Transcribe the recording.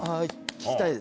聞きたいです。